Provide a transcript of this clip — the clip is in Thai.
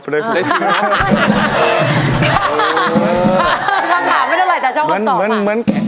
คำถามไม่ได้ไหลแต่ช่องความตอบค่ะ